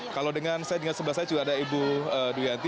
kalau dengan saya dengan sebelah saya juga ada ibu duyanti